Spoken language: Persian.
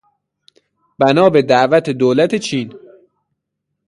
بنا به دعوت دولت چین